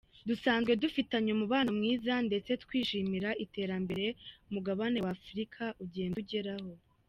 Dusanzwe dufitanye umubano mwiza ndetse twishimira iterambere umugabane w’Afurika ugenda ugeraho.